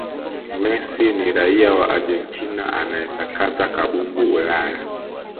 messi ni raia wa argentina anayesakata kambumbu ulaya